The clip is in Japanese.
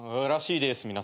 らしいです